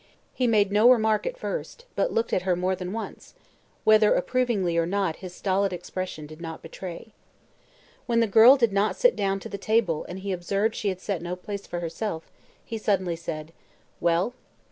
He made no remark at first, but looked at her more than once whether approvingly or not his stolid expression did not betray. When the girl did not sit down to the table and he observed she had set no place for herself, he suddenly said: "Well?"